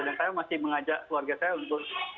dan saya masih mengajak keluarga saya untuk